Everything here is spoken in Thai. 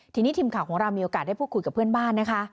ทีนี้ทีมข่าวของเรามีโอกาสได้พูดคุยกับเพื่อนบ้านนะคะ